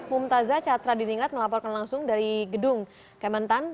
mumtazah catra diningrat melaporkan langsung dari gedung kementan